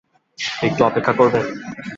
একটু অপেক্ষা করবেন?